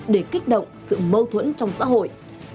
để kích động sự mâu thuẫn trong xã hội